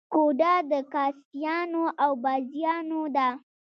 کوټه د کاسيانو او بازیانو ده.